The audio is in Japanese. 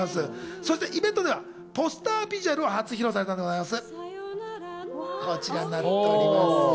そしてイベントではポスタービジュアルを初披露されたんでございます。